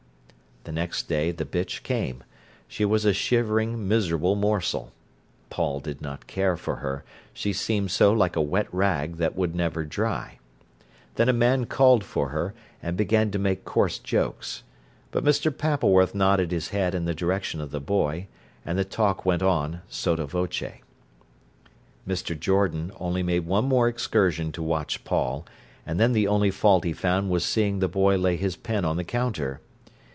The next day the bitch came. She was a shivering, miserable morsel. Paul did not care for her; she seemed so like a wet rag that would never dry. Then a man called for her, and began to make coarse jokes. But Mr. Pappleworth nodded his head in the direction of the boy, and the talk went on sotto voce. Mr. Jordan only made one more excursion to watch Paul, and then the only fault he found was seeing the boy lay his pen on the counter.